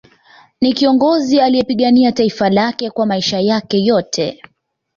Ni kiongozi aliyepigania taifa lake kwa maisha yake yote